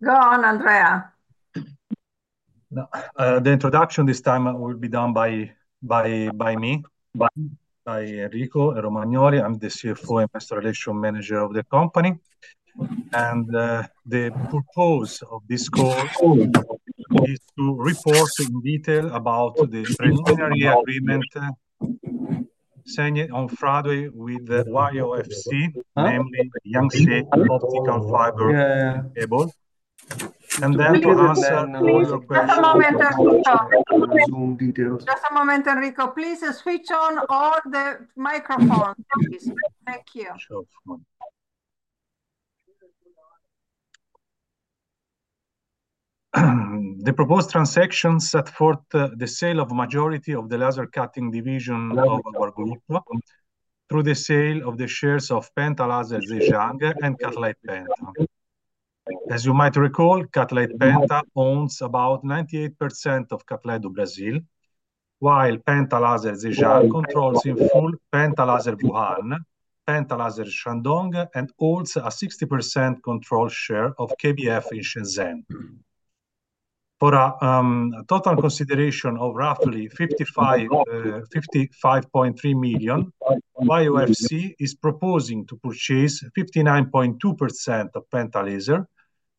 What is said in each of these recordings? Go on, Andrea. The introduction this time will be done by me, Enrico Romagnoli. I'm the CFO and Investor Relations Manager of the company. The purpose of this call is to report in detail about the preliminary agreement signed on Friday with YOFC, namely Yangtze Optical Fibre and Cable. Then to answer all your questions. Just a moment, Enrico. Please switch on all the microphones, please. Thank you. The proposed transactions set forth the sale of the majority of the laser cutting division of our group through the sale of the shares of Penta Laser Zhejiang and Cutlite Penta. As you might recall, Cutlite Penta owns about 98% of Cutlite do Brasil, while Penta Laser Zhejiang controls in full Penta Laser Wuhan, Penta Laser Shandong, and holds a 60% control share of KBF in Shenzhen. For a total consideration of roughly 55.3 million, YOFC is proposing to purchase 59.2% of Penta Laser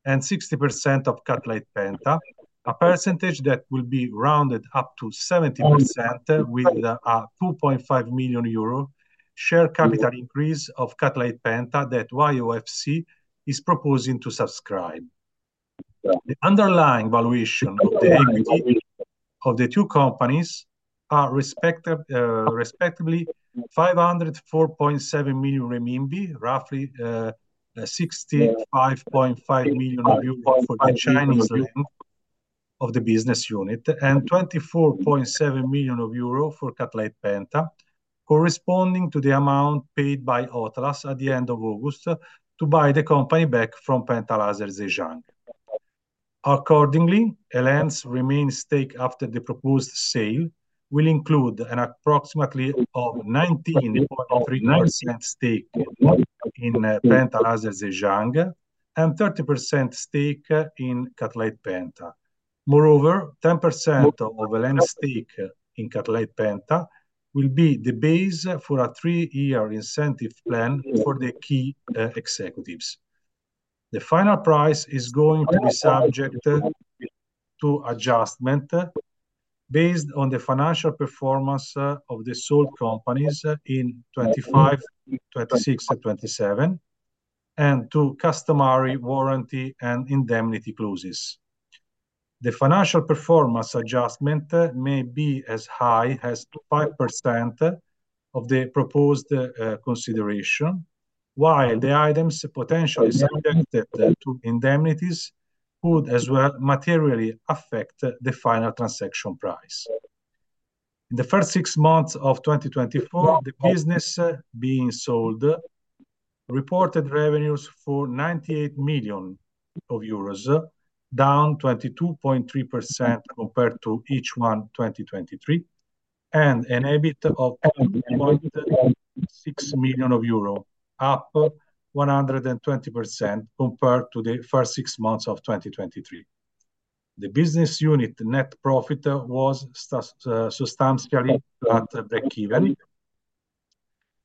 and 60% of Cutlite Penta, a percentage that will be rounded up to 70% with a 2.5 million euro share capital increase of Cutlite Penta that YOFC is proposing to subscribe. The underlying valuation of the equity of the two companies are respectively 504.7 million RMB, roughly 65.5 million for the Chinese leg of the business unit, and 24.7 million euro for Cutlite Penta, corresponding to the amount paid by OT-LAS at the end of August to buy the company back from Penta Laser Zhejiang. Accordingly, El.En.'s remaining stake after the proposed sale will include an approximately 19.3% stake in Penta Laser Zhejiang and 30% stake in Cutlite Penta. Moreover, 10% of El.En.'s stake in Cutlite Penta will be the base for a three-year incentive plan for the key executives. The final price is going to be subject to adjustment based on the financial performance of the sold companies in 2025, 2026, and 2027, and to customary warranty and indemnity clauses. The financial performance adjustment may be as high as 5% of the proposed consideration, while the items potentially subjected to indemnities could as well materially affect the final transaction price. In the first six months of 2024, the business being sold reported revenues of EUR 98 million, down 22.3% compared to the first six months of 2023, and an EBIT of 2.6 million euro, up 120% compared to the first six months of 2023. The business unit net profit was substantially at break-even.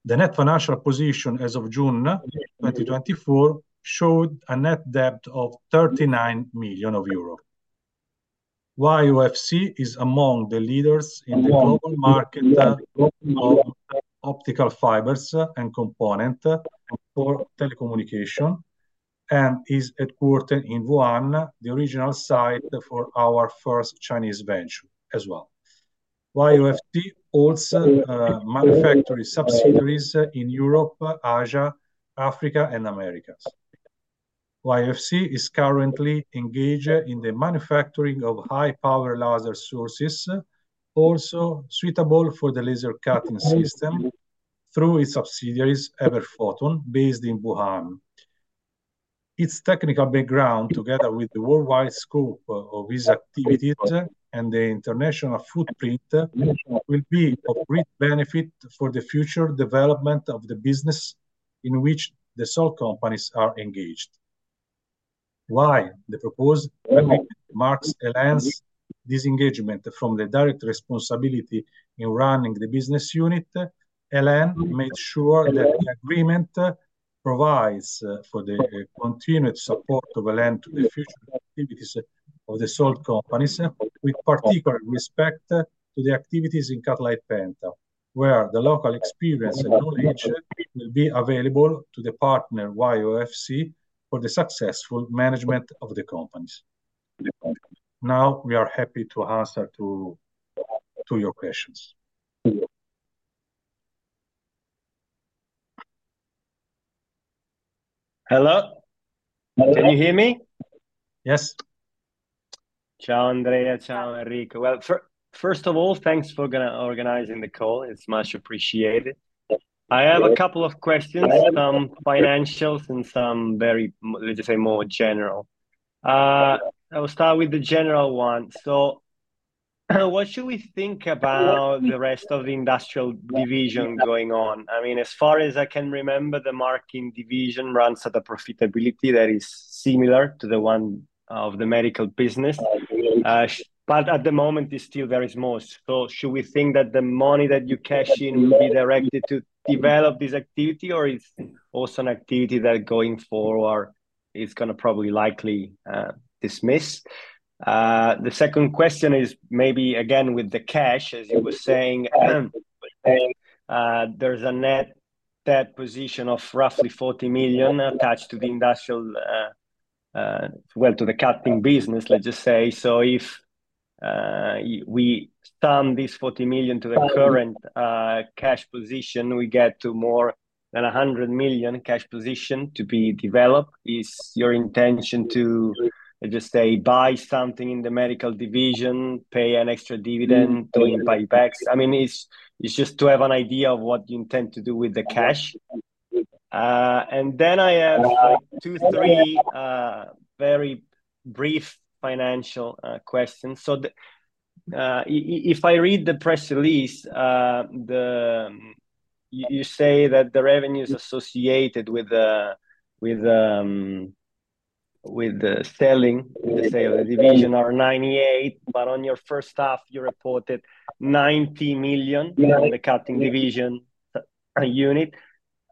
The net financial position as of June 2024 showed a net debt of 39 million euro. YOFC is among the leaders in the global market of optical fibers and components for telecommunications and is headquartered in Wuhan, the original site for our first Chinese venture as well. YOFC holds manufacturing subsidiaries in Europe, Asia, Africa, and America. YOFC is currently engaged in the manufacturing of high-power laser sources, also suitable for the laser cutting system through its subsidiaries, Everfoton, based in Wuhan. Its technical background, together with the worldwide scope of its activities and the international footprint, will be of great benefit for the future development of the business in which the sold companies are engaged. While the proposed agreement marks El.En.'s disengagement from the direct responsibility in running the business unit, El.En. made sure that the agreement provides for the continued support of El.En. to the future activities of the sold companies, with particular respect to the activities in Cutlite Penta, where the local experience and knowledge will be available to the partner YOFC for the successful management of the companies. Now, we are happy to answer to your questions. Hello? Can you hear me? Yes. Ciao, Andrea. Ciao, Enrico. Well, first of all, thanks for organizing the call. It's much appreciated. I have a couple of questions, some financials and some very, let's say, more general. I will start with the general one. So what should we think about the rest of the industrial division going on? I mean, as far as I can remember, the marking division runs at a profitability that is similar to the one of the medical business, but at the moment, it's still very small. So should we think that the money that you cash in will be directed to develop this activity, or is it also an activity that going forward is going to probably likely dismiss? The second question is maybe, again, with the cash, as you were saying, there's a net debt position of roughly 40 million attached to the industrial, well, to the cutting business, let's just say. So if we sum this 40 million to the current cash position, we get to more than 100 million cash position to be developed. Is your intention to, let's just say, buy something in the medical division, pay an extra dividend, or impact tax? I mean, it's just to have an idea of what you intend to do with the cash. And then I have two, three very brief financial questions. So if I read the press release, you say that the revenues associated with selling the division are 98 million, but on your first half, you reported 90 million for the cutting division unit.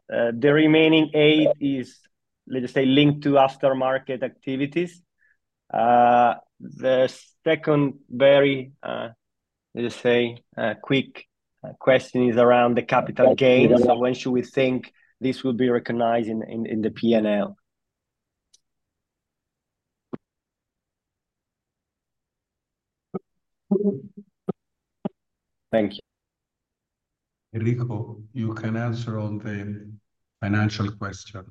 The remaining 8 is, let's say, linked to aftermarket activities. The second very, let's say, quick question is around the capital gains. So when should we think this will be recognized in the P&L? Thank you. Enrico, you can answer on the financial question.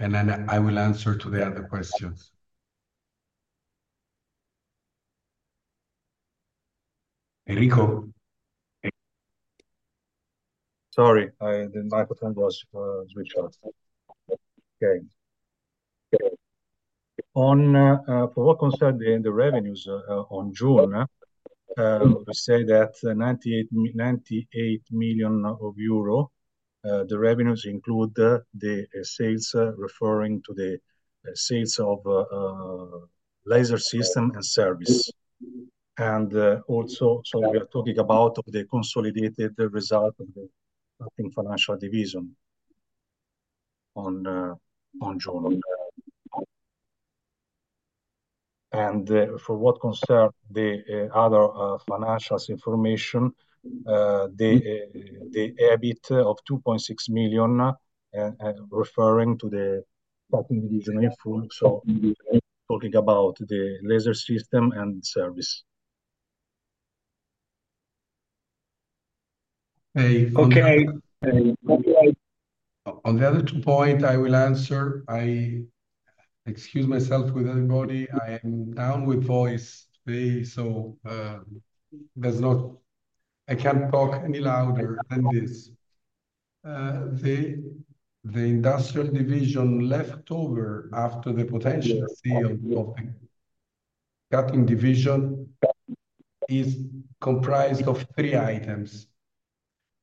And then I will answer to the other questions. Enrico. Sorry, the microphone was switched off. Okay. On what concerns the revenues on June, we say that 98 million euro, the revenues include the sales referring to the sales of laser system and service. And also, so we are talking about the consolidated result of the cutting financial division on June. And for what concerns the other financials information, the EBIT of 2.6 million referring to the cutting division info, so talking about the laser system and service. Okay. On the other two points, I will answer. I excuse myself with everybody. I am down with voice. So I can't talk any louder than this. The industrial division leftover after the potential sale of the cutting division is comprised of three items.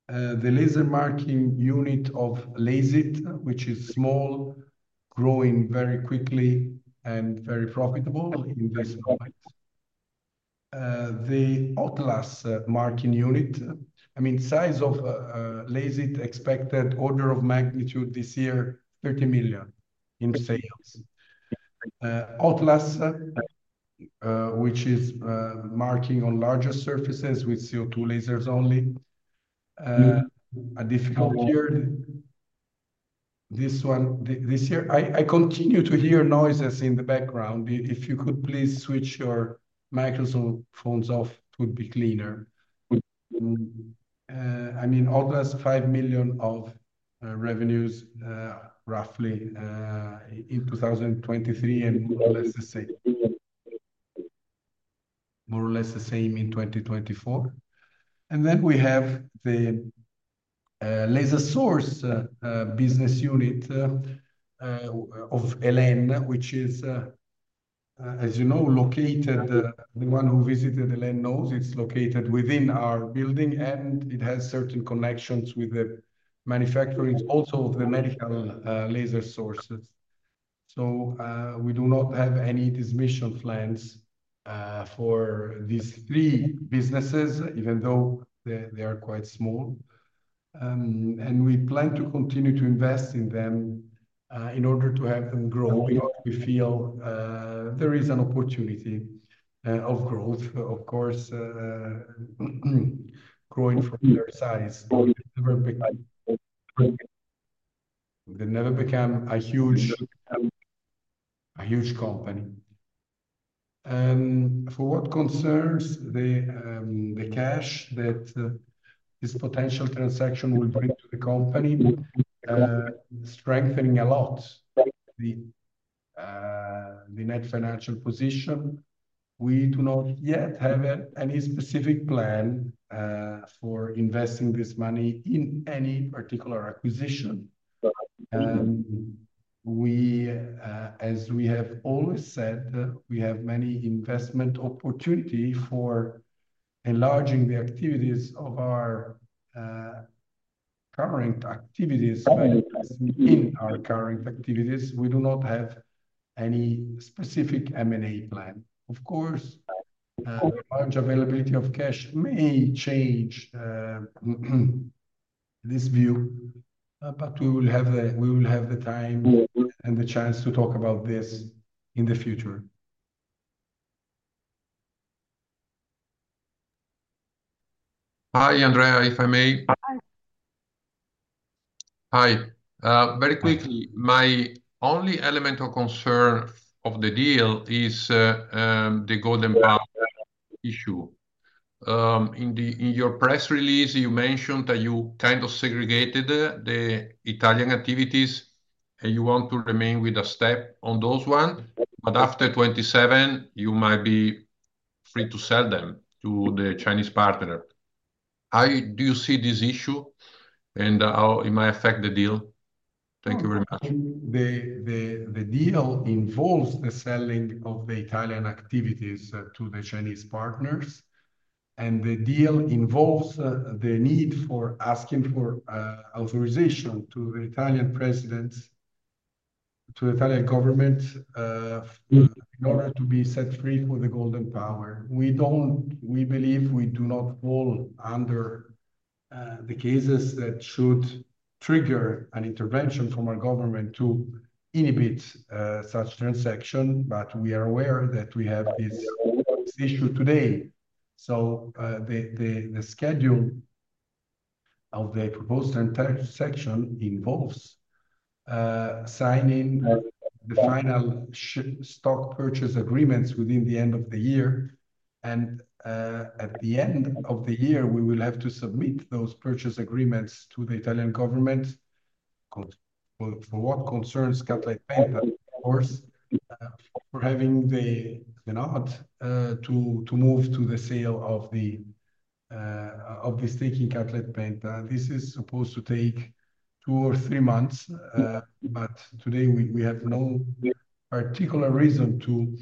The laser marking unit of LASIT, which is small, growing very quickly and very profitable in this point. The OT-LAS marking unit, I mean, size of LASIT expected order of magnitude this year, 30 million in sales. OT-LAS, which is marking on larger surfaces with CO2 lasers only, a difficult year. This year, I continue to hear noises in the background. If you could please switch your microphones off, it would be cleaner. I mean, OT-LAS, 5 million of revenues roughly in 2023 and more or less the same. More or less the same in 2024. And then we have the laser source business unit of El.En., which is, as you know, located. The one who visited El.En. knows it's located within our building, and it has certain connections with the manufacturing also of the medical laser sources. So we do not have any disinvestment plans for these three businesses, even though they are quite small. And we plan to continue to invest in them in order to have them grow if we feel there is an opportunity of growth, of course, growing from their size. They never become a huge company. For what concerns the cash that this potential transaction will bring to the company, strengthening a lot the Net Financial Position, we do not yet have any specific plan for investing this money in any particular acquisition. As we have always said, we have many investment opportunities for enlarging the activities of our current activities. In our current activities, we do not have any specific M&A plan. Of course, large availability of cash may change this view, but we will have the time and the chance to talk about this in the future. Hi, Andrea, if I may. Hi. Very quickly, my only element of concern of the deal is the Golden Power issue. In your press release, you mentioned that you kind of segregated the Italian activities, and you want to remain with a stake on those ones, but after 2027, you might be free to sell them to the Chinese partner. Do you see this issue, and it might affect the deal? Thank you very much. The deal involves the selling of the Italian activities to the Chinese partners, and the deal involves the need for asking for authorization to the Italian Presidency, to the Italian government in order to be set free from the Golden Power. We believe we do not fall under the cases that should trigger an intervention from our government to inhibit such transaction, but we are aware that we have this issue today, so the schedule of the proposed transaction involves signing the final stock purchase agreements by the end of the year, and at the end of the year, we will have to submit those purchase agreements to the Italian government for what concerns Cutlite Penta, of course, for having the nod to move to the sale of the stake in Cutlite Penta. This is supposed to take two or three months, but today, we have no particular reason to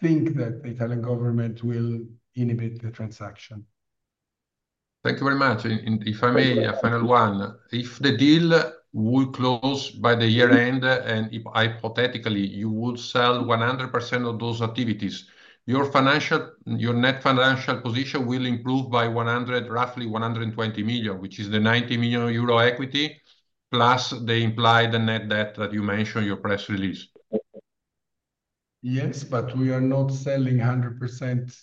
think that the Italian government will inhibit the transaction. Thank you very much. If I may, final one. If the deal would close by the year end, and hypothetically, you would sell 100% of those activities, your net financial position will improve by roughly 120 million, which is the 90 million euro equity plus the implied net debt that you mentioned in your press release. Yes, but we are not selling 100%.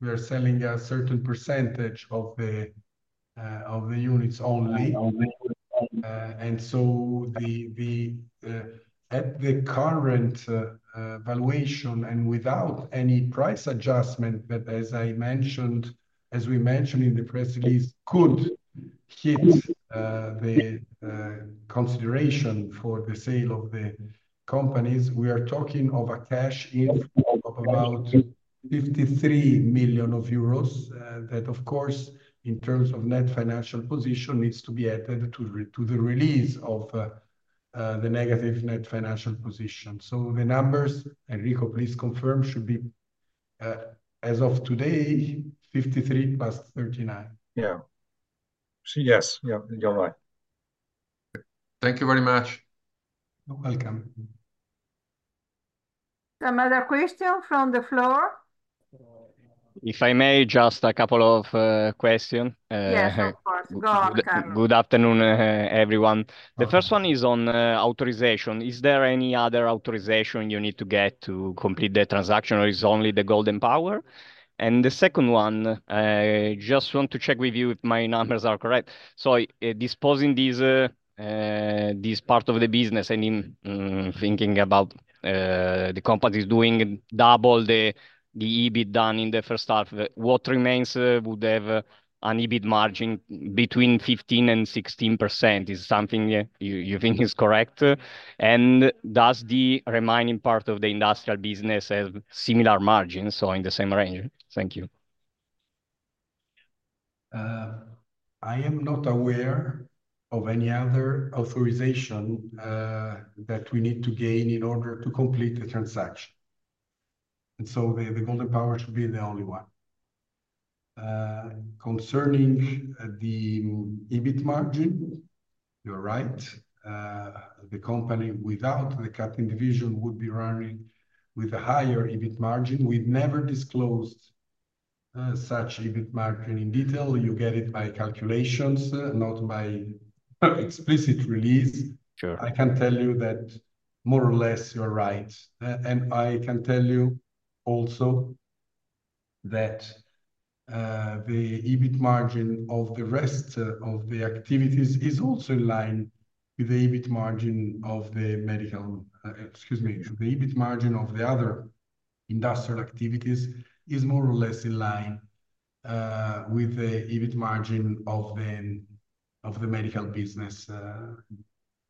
We are selling a certain percentage of the units only. And so at the current valuation and without any price adjustment that, as I mentioned, as we mentioned in the press release, could hit the consideration for the sale of the companies, we are talking of a cash inflow of about 53 million euros that, of course, in terms of net financial position, needs to be added to the release of the negative net financial position. So the numbers, Enrico, please confirm, should be, as of today, 53 plus 39. Yeah. Yes. You're right. Thank you very much. You're welcome. Some other questions from the floor? If I may, just a couple of questions. Yes, of course. Go on, Cangi. Good afternoon, everyone. The first one is on authorization. Is there any other authorization you need to get to complete the transaction, or is it only the Golden Power? And the second one, just want to check with you if my numbers are correct. So disposing this part of the business, I mean, thinking about the companies doing double the EBIT done in the first half, what remains would have an EBIT margin between 15% and 16%. Is it something you think is correct? And does the remaining part of the industrial business have similar margins, so in the same range? Thank you. I am not aware of any other authorization that we need to gain in order to complete the transaction, and so the Golden Power should be the only one. Concerning the EBIT margin, you're right. The company without the cutting division would be running with a higher EBIT margin. We've never disclosed such EBIT margin in detail. You get it by calculations, not by explicit release. I can tell you that more or less you're right, and I can tell you also that the EBIT margin of the rest of the activities is also in line with the EBIT margin of the medical excuse me, the EBIT margin of the other industrial activities is more or less in line with the EBIT margin of the medical business.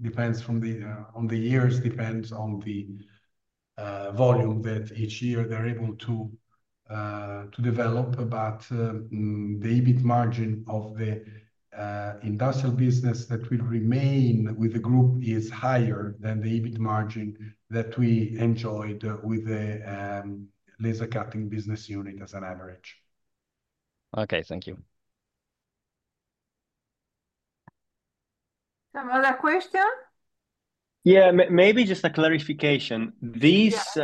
Depends on the years, depends on the volume that each year they're able to develop. But the EBIT margin of the industrial business that will remain with the group is higher than the EBIT margin that we enjoyed with the laser cutting business unit as an average. Okay. Thank you. Some other question? Yeah. Maybe just a clarification. This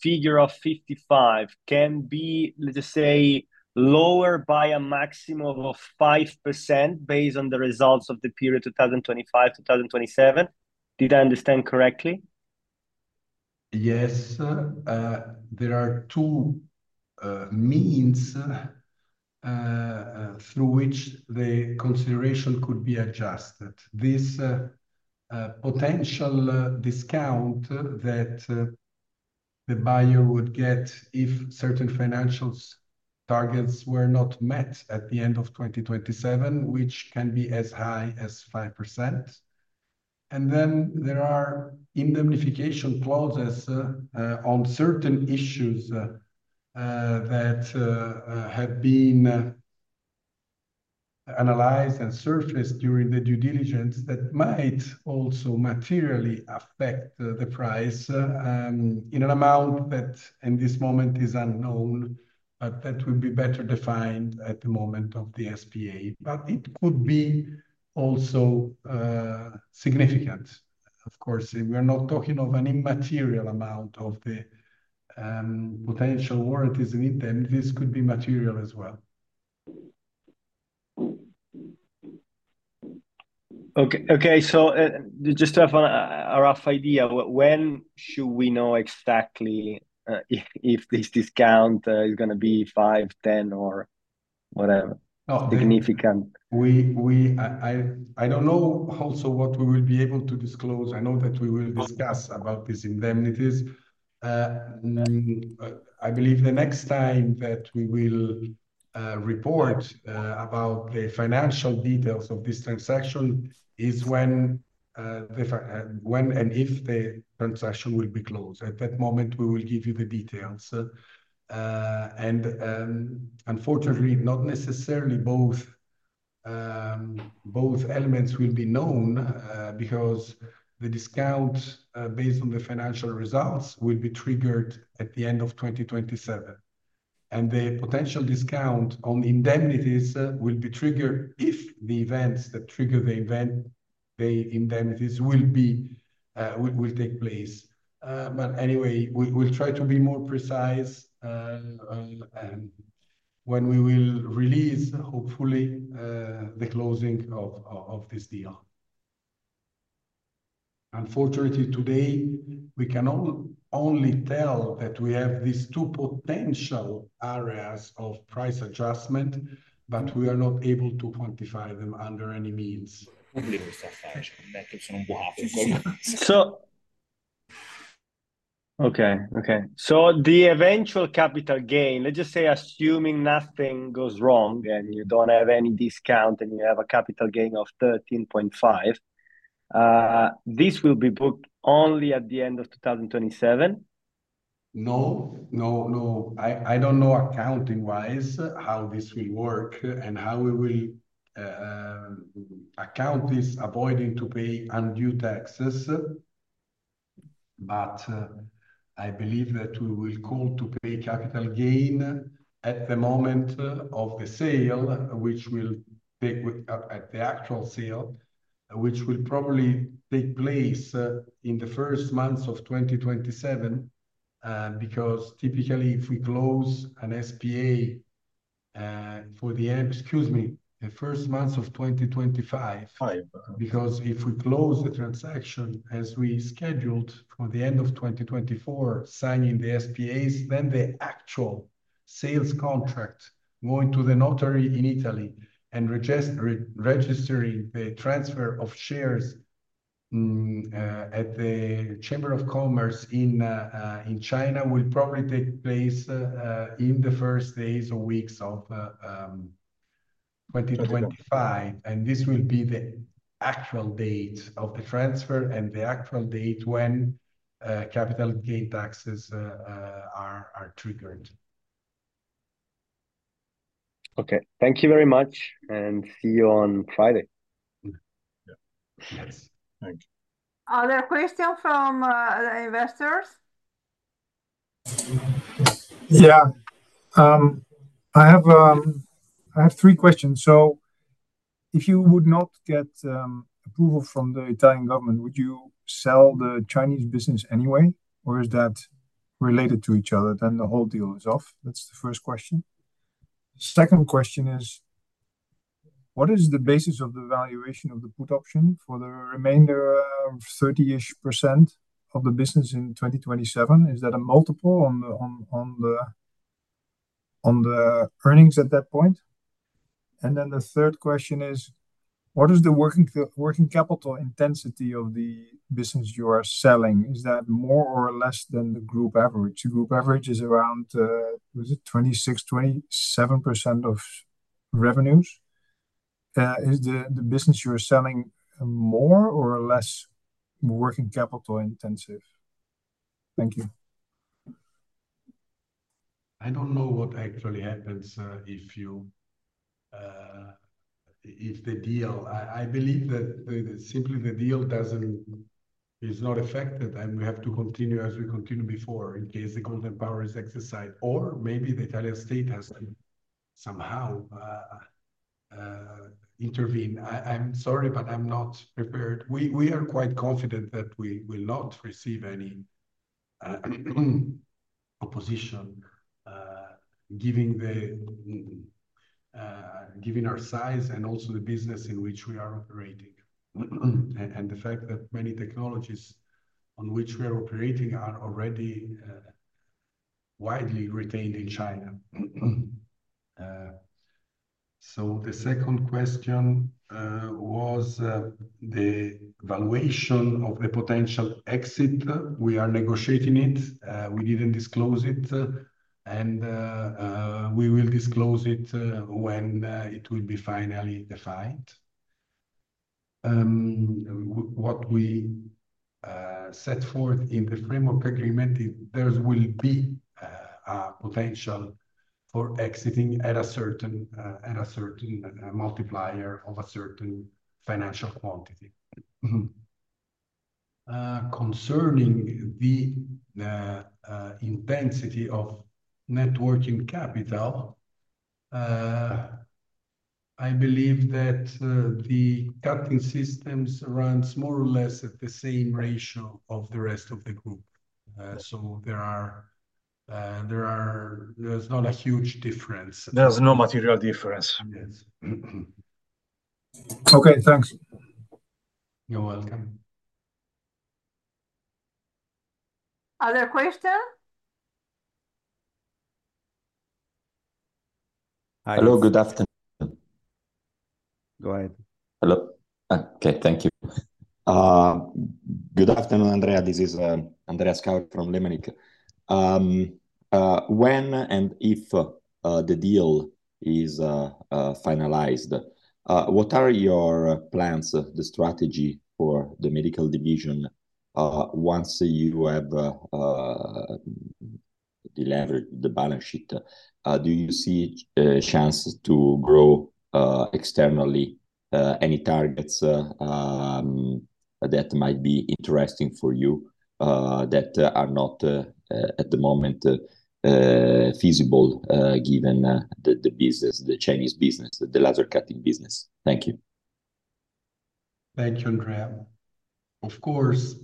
figure of 55 can be, let's just say, lower by a maximum of 5% based on the results of the period 2025-2027. Did I understand correctly? Yes. There are two means through which the consideration could be adjusted. This potential discount that the buyer would get if certain financial targets were not met at the end of 2027, which can be as high as 5%. And then there are indemnification clauses on certain issues that have been analyzed and surfaced during the due diligence that might also materially affect the price in an amount that in this moment is unknown, but that will be better defined at the moment of the SPA. But it could be also significant. Of course, we are not talking of an immaterial amount of the potential warranties in it, and this could be material as well. Okay. So just to have a rough idea, when should we know exactly if this discount is going to be 5, 10, or whatever significant? I don't know also what we will be able to disclose. I know that we will discuss about these indemnities. I believe the next time that we will report about the financial details of this transaction is when and if the transaction will be closed. At that moment, we will give you the details, and unfortunately, not necessarily both elements will be known because the discount based on the financial results will be triggered at the end of 2027, and the potential discount on indemnities will be triggered if the events that trigger the indemnities will take place, but anyway, we'll try to be more precise when we will release, hopefully, the closing of this deal. Unfortunately, today, we can only tell that we have these two potential areas of price adjustment, but we are not able to quantify them under any means. So the eventual capital gain, let's just say assuming nothing goes wrong and you don't have any discount and you have a capital gain of 13.5, this will be booked only at the end of 2027? No. No. No. I don't know accounting-wise how this will work and how we will account this avoiding to pay undue taxes. But I believe that we will call to pay capital gain at the moment of the sale, which will take at the actual sale, which will probably take place in the first months of 2027 because typically, if we close an SPA for the, excuse me, the first months of 2025, because if we close the transaction as we scheduled for the end of 2024, signing the SPAs, then the actual sales contract going to the notary in Italy and registering the transfer of shares at the Chamber of Commerce in China will probably take place in the first days or weeks of 2025. And this will be the actual date of the transfer and the actual date when capital gain taxes are triggered. Okay. Thank you very much, and see you on Friday. Yes. Thanks. Other questions from the investors? Yeah. I have three questions. So if you would not get approval from the Italian government, would you sell the Chinese business anyway, or is that related to each other, then the whole deal is off? That's the first question. The second question is, what is the basis of the valuation of the put option for the remainder of 30-ish% of the business in 2027? Is that a multiple on the earnings at that point? And then the third question is, what is the working capital intensity of the business you are selling? Is that more or less than the group average? The group average is around, was it 26-27% of revenues. Is the business you're selling more or less working capital intensive? Thank you. I don't know what actually happens if the deal. I believe that simply the deal is not affected, and we have to continue as we continued before in case the Golden Power is exercised, or maybe the Italian state has to somehow intervene. I'm sorry, but I'm not prepared. We are quite confident that we will not receive any opposition given our size and also the business in which we are operating and the fact that many technologies on which we are operating are already widely retained in China, so the second question was the valuation of the potential exit. We are negotiating it. We didn't disclose it, and we will disclose it when it will be finally defined. What we set forth in the framework agreement is there will be a potential for exiting at a certain multiplier of a certain financial quantity. Concerning the intensity of net working capital, I believe that the cutting systems run more or less at the same ratio of the rest of the group, so there is not a huge difference. There's no material difference. Yes. Okay. Thanks. You're welcome. Other questions? Hello. Good afternoon. Go ahead. Good afternoon, Andrea. This is Andrea Scauri from Lemanik. When and if the deal is finalized, what are your plans, the strategy for the medical division once you have delivered the balance sheet? Do you see a chance to grow externally, any targets that might be interesting for you that are not at the moment feasible given the business, the Chinese business, the laser cutting business? Thank you. Thank you, Andrea. Of course,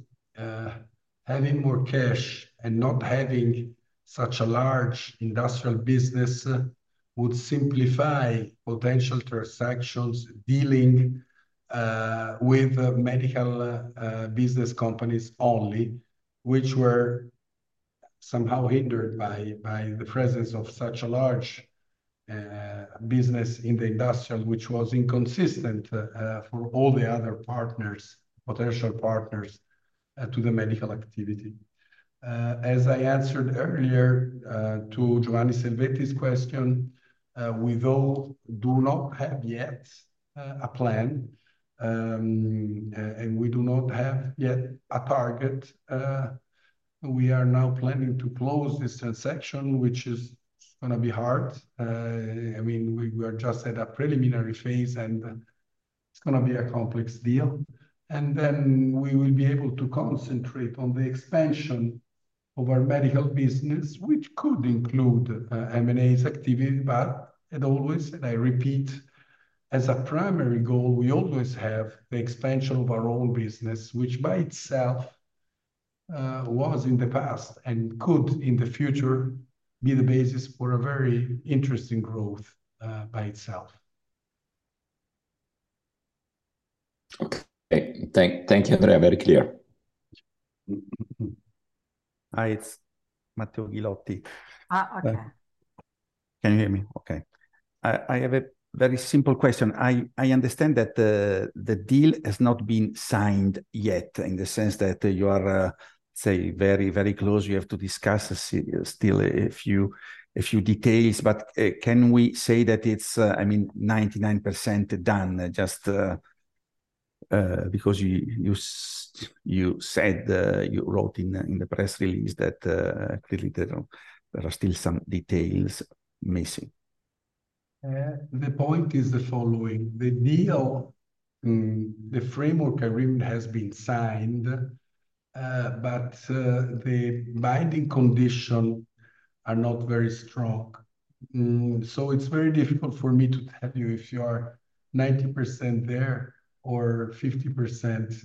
having more cash and not having such a large industrial business would simplify potential transactions dealing with medical business companies only, which were somehow hindered by the presence of such a large business in the industrial, which was inconsistent for all the other potential partners to the medical activity. As I answered earlier to Giovanni Cangioli's question, we, though, do not have yet a plan, and we do not have yet a target. We are now planning to close this transaction, which is going to be hard. I mean, we are just at a preliminary phase, and it's going to be a complex deal, and then we will be able to concentrate on the expansion of our medical business, which could include M&A's activity. But as always, and I repeat, as a primary goal, we always have the expansion of our own business, which by itself was in the past and could in the future be the basis for a very interesting growth by itself. Okay. Thank you, Andrea. Very clear. Hi. It's Matteo Ghilotti. Okay. Can you hear me? Okay. I have a very simple question. I understand that the deal has not been signed yet in the sense that you are, say, very, very close. You have to discuss still a few details. But can we say that it's, I mean, 99% done just because you said, you wrote in the press release that clearly there are still some details missing? The point is the following. The deal, the framework agreement has been signed, but the binding conditions are not very strong, so it's very difficult for me to tell you if you are 90% there or 50%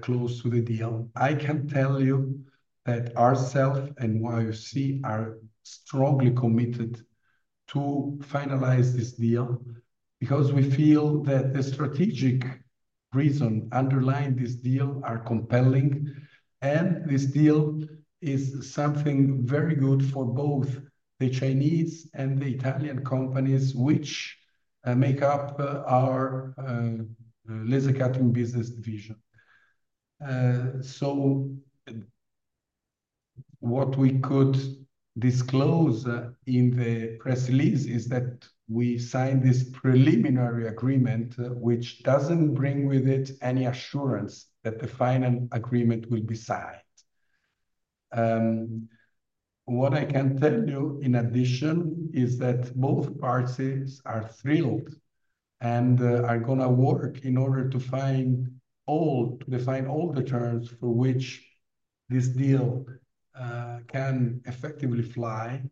close to the deal. I can tell you that ourselves and YOFC are strongly committed to finalize this deal because we feel that the strategic reasons underlying this deal are compelling, and this deal is something very good for both the Chinese and the Italian companies, which make up our laser cutting business division, so what we could disclose in the press release is that we signed this preliminary agreement, which doesn't bring with it any assurance that the final agreement will be signed. What I can tell you in addition is that both parties are thrilled and are going to work in order to define all the terms for which this deal can effectively fly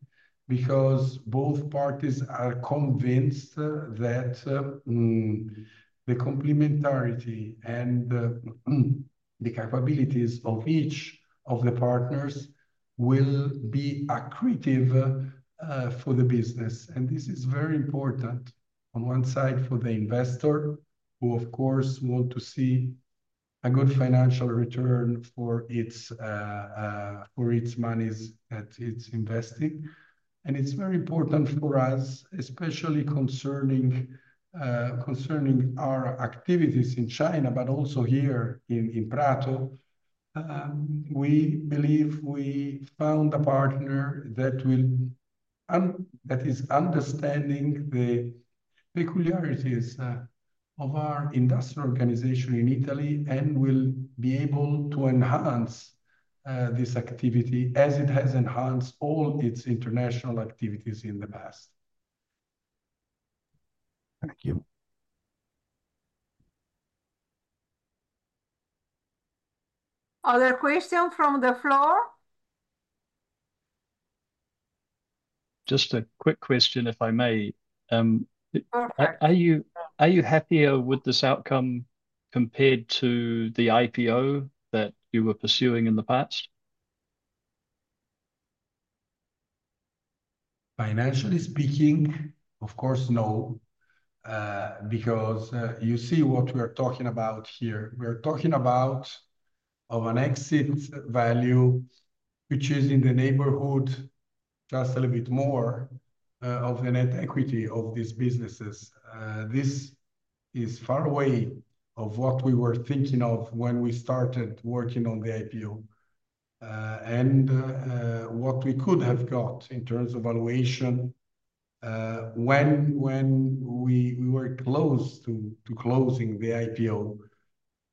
because both parties are convinced that the complementarity and the capabilities of each of the partners will be accretive for the business. And this is very important on one side for the investor who, of course, wants to see a good financial return for its monies that it's investing. And it's very important for us, especially concerning our activities in China, but also here in Prato. We believe we found a partner that is understanding the peculiarities of our industrial organization in Italy and will be able to enhance this activity as it has enhanced all its international activities in the past. Thank you. Other questions from the floor? Just a quick question, if I may. Are you happier with this outcome compared to the IPO that you were pursuing in the past? Financially speaking, of course, no, because you see what we are talking about here. We are talking about an exit value, which is in the neighborhood just a little bit more of the net equity of these businesses. This is far away from what we were thinking of when we started working on the IPO and what we could have got in terms of valuation when we were close to closing the IPO.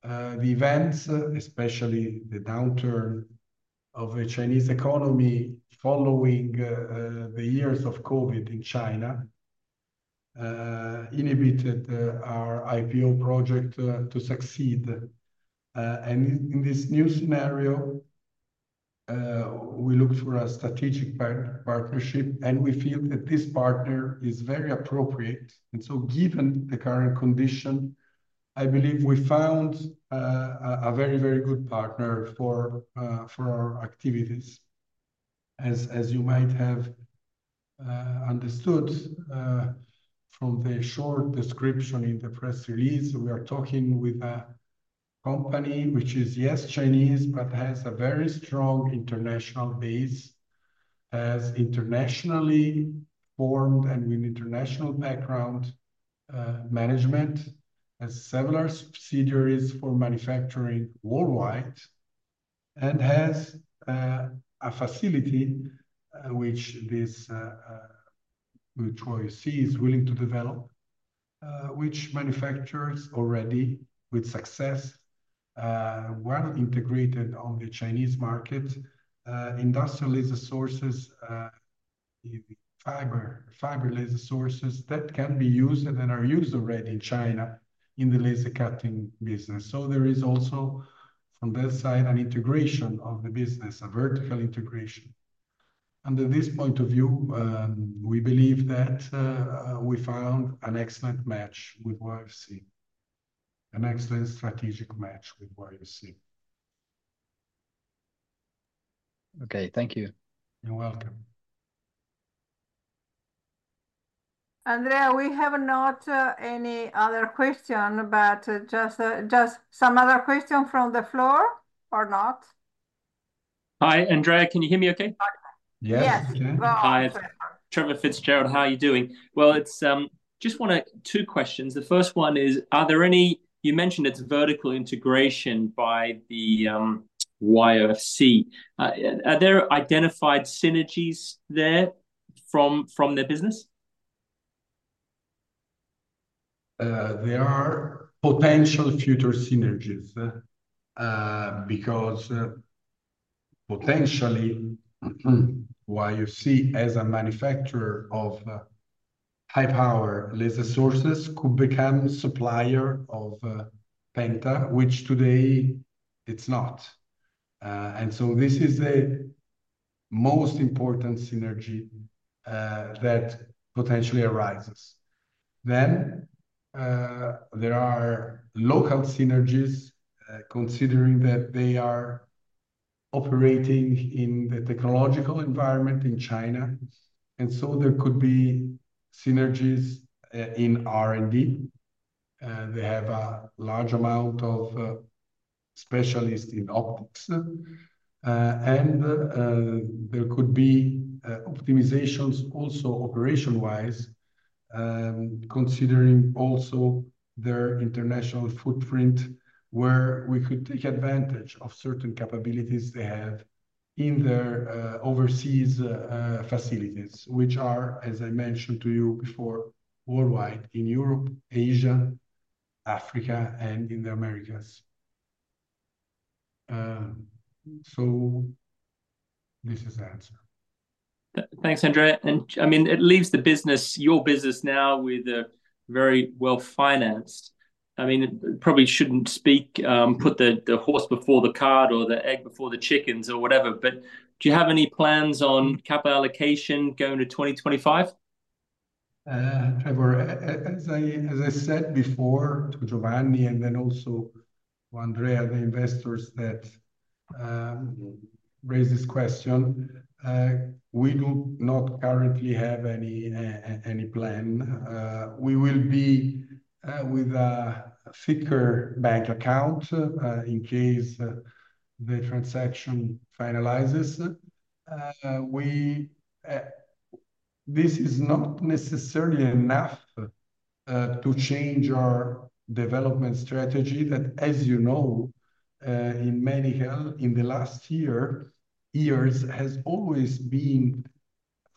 The events, especially the downturn of the Chinese economy following the years of COVID in China, inhibited our IPO project to succeed, and in this new scenario, we looked for a strategic partnership, and we feel that this partner is very appropriate, and so given the current condition, I believe we found a very, very good partner for our activities. As you might have understood from the short description in the press release, we are talking with a company which is, yes, Chinese, but has a very strong international base, has internationally formed and with international background management, has several subsidiaries for manufacturing worldwide, and has a facility which this YOFC is willing to develop, which manufactures already with success, well integrated on the Chinese market, industrial laser sources, fiber laser sources that can be used and are used already in China in the laser cutting business, so there is also from that side an integration of the business, a vertical integration, and at this point of view, we believe that we found an excellent match with YOFC, an excellent strategic match with YOFC. Okay. Thank you. You're welcome. Andrea, we have not any other question, but just some other question from the floor or not? Hi, Andrea. Can you hear me okay? Yes. Yes. Yes. Hi. Trevor Fitzgerald, how are you doing? Well, I just want two questions. The first one is, are there any you mentioned it's a vertical integration by the YOFC. Are there identified synergies there from the business? There are potential future synergies because potentially YOFC as a manufacturer of high-power laser sources could become a supplier of Penta, which today it's not. And so this is the most important synergy that potentially arises. Then there are local synergies, considering that they are operating in the technological environment in China. And so there could be synergies in R&D. They have a large amount of specialists in optics. And there could be optimizations also operation-wise, considering also their international footprint, where we could take advantage of certain capabilities they have in their overseas facilities, which are, as I mentioned to you before, worldwide in Europe, Asia, Africa, and in the Americas. So this is the answer. Thanks, Andrea. I mean, it leaves your business now with a very well-financed. I mean, probably shouldn't put the horse before the cart or the egg before the chickens or whatever. Do you have any plans on capital allocation going to 2025? Trevor, as I said before to Giovanni and then also to Andrea and the investors that raised this question, we do not currently have any plan. We will be with a secure bank account in case the transaction finalizes. This is not necessarily enough to change our development strategy that, as you know, in medical, in the last years, has always been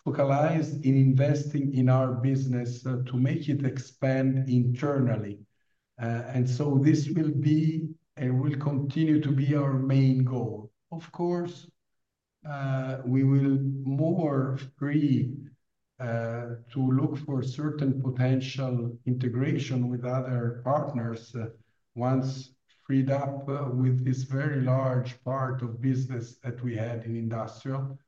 focalized in investing in our business to make it expand internally, and so this will be and will continue to be our main goal. Of course, we will be more free to look for certain potential integration with other partners once freed up with this very large part of business that we had in industrial,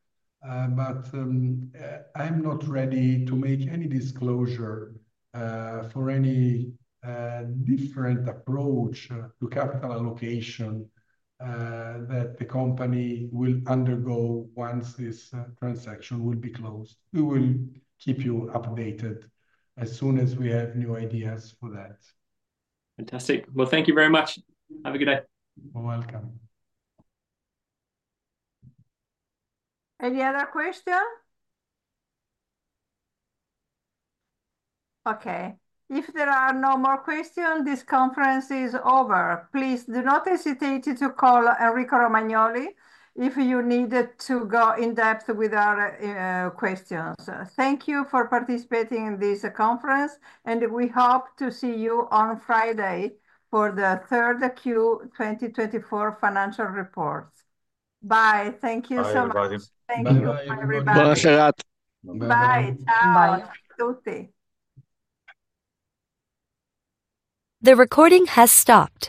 but I'm not ready to make any disclosure for any different approach to capital allocation that the company will undergo once this transaction will be closed. We will keep you updated as soon as we have new ideas for that. Fantastic. Well, thank you very much. Have a good day. You're welcome. Any other questions? Okay. If there are no more questions, this conference is over. Please do not hesitate to call Enrico Romagnoli if you need to go in-depth with our questions. Thank you for participating in this conference, and we hope to see you on Friday for the third Q3 2024 financial report. Bye. Thank you so much. Thank you, everybody. Bye Bye. Ciao. The recording has stopped.